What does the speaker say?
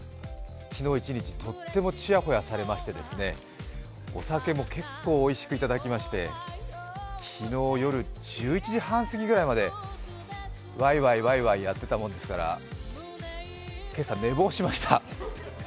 昨日一日とってもちやほやされましてですね、お酒も結構おいしくいただきまして昨日夜、１１時半すぎぐらいまでわいわい、わいわいやってたもんですから、今朝寝坊しました。